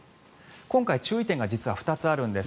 今回、注意点が実は２つあるんです。